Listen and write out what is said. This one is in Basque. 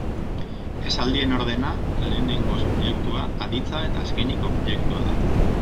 Esaldien ordena, lehenengo subjektua, aditza eta azkenik objektua da.